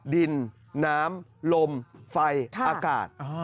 ดินน้ำลมไฟอากาศ